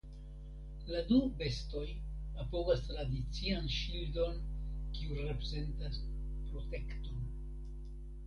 La du bestoj apogas tradician ŝildon kiu reprezentas "protekton".